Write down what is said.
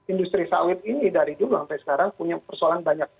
industri sawit ini dari dulu sampai sekarang punya persoalan banyak